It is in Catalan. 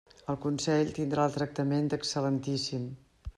El Consell tindrà el tractament d'excel·lentíssim.